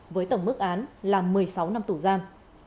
với tổng mức án là một mươi sáu năm tù giam